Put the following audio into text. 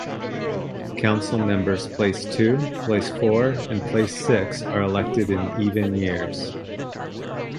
Councilmembers place two, place four and place six are elected in even years.